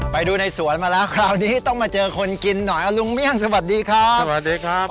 ไปดูในสวนมาแล้วคราวนี้ต้องมาเจอคนกินหน่อยลุงเมี่ยงสวัสดีครับสวัสดีครับ